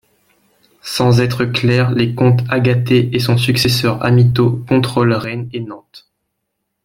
Sans être clercs les comtes Agathée et son successeur Amitto contrôlent Rennes et Nantes.